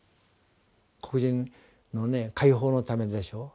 黒人の解放のためでしょう。